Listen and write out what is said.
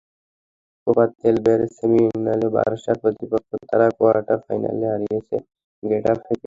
Copa del রের সেমিফাইনালেও বার্সার প্রতিপক্ষ তারা, কোয়ার্টার ফাইনালে হারিয়েছে গেটাফেকে।